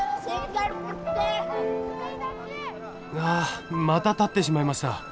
あぁ！また立ってしまいました。